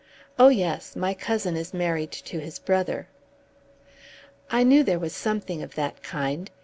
"Oh, yes. My cousin is married to his brother." "I knew there was something of that kind.